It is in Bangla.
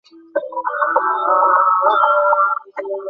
তাঁর পরিচয় জানার জন্য খোঁজখবর নেওয়ার পাশাপাশি অন্যান্য আইনি প্রক্রিয়া চলছে।